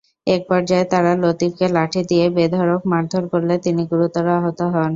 একপর্যায়ে তাঁরা লতিফকে লাঠি দিয়ে বেধড়ক মারধর করলে তিনি গুরুতর আহত হন।